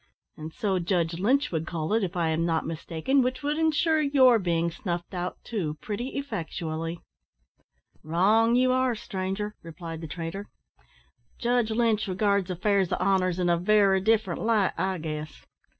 "And so Judge Lynch would call it, if I am not mistaken, which would insure your being snuffed out too, pretty effectually." "Wrong, you air, stranger," replied the trader; "Judge Lynch regards affairs of honour in a very different light, I guess.